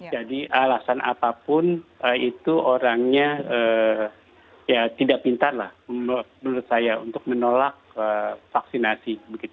jadi alasan apapun itu orangnya tidak pintar lah menurut saya untuk menolak vaksinasi